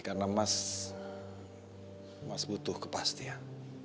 karena mas butuh kepastian